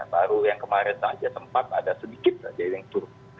baru yang kemarin saja sempat ada sedikit saja yang turun